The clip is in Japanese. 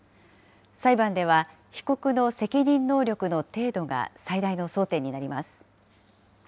裁判では、被告の責任能力の程度が最大の争点になります。